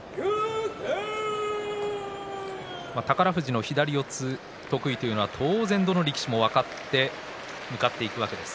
宝富士の左四つ得意というのは当然どの力士も分かって向かっていくわけです。